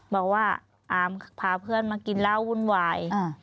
บอกว่าอามพาเพื่อนมากินเหล้าวุ่นวาย